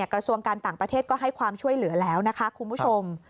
กระทรวงการต่างประเทศก็ให้ความช่วยเหลือแล้วนะคะคุณผู้ชม